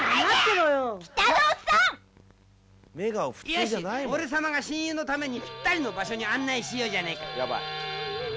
「よし俺さまが親友のためにぴったりの場所に案内しようじゃねえか」